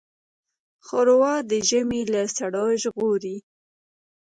ښوروا د ژمي له سړو ژغوري.